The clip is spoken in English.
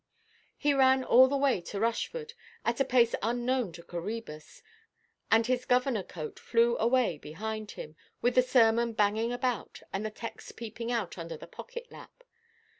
He ran all the way to Rushford, at a pace unknown to Coræbus; and his governor–coat flew away behind him, with the sermon banging about, and the text peeping out under the pocket–lap.